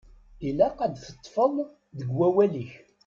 Ilaq ad teṭṭfeḍ deg wawal-ik.